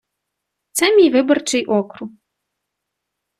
Це мій виборчий округ.